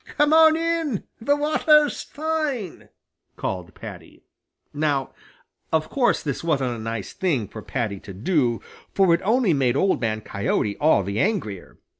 "Come on in; the water's fine!" called Paddy. Now, of course, this wasn't a nice thing for Paddy to do, for it only made Old Man Coyote all the angrier.